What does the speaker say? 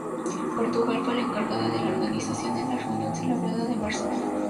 Portugal fue la encargada de la organización en la reunión celebrada en Barcelona.